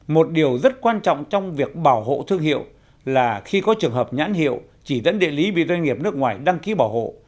một điều rất quan trọng trong việc bảo hộ thương hiệu là khi có trường hợp nhãn hiệu chỉ dẫn địa lý bị doanh nghiệp nước ngoài đăng ký bảo hộ